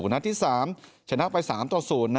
นัดที่๓ชนะไป๓ต่อ๐